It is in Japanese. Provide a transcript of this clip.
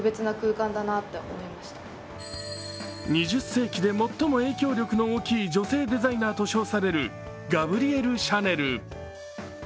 ２０世紀で最も影響力の大きい女性デザイナーと称されるガブリエル・シャネル。